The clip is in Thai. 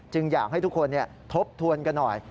อยากให้ทุกคนทบทวนกันหน่อย